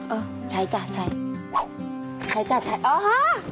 เออใช้จ้ะใช้ใช้จ้ะใช้อ๋อฮะ